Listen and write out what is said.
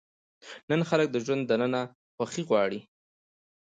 نن خلک د ژوند دننه خوښي غواړي.